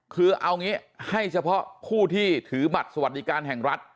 คือเอางี้ให้เฉพาะผู้ที่ถือบัตรสวัสดิการแห่งรัฐ